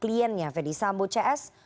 iyennya verdi sambo cs